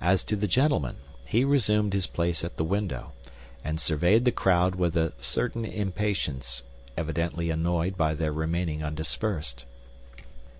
As to the gentleman, he resumed his place at the window, and surveyed the crowd with a certain impatience, evidently annoyed by their remaining undispersed.